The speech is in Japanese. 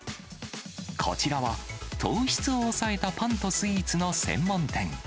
こちらは、糖質を抑えたパンとスイーツの専門店。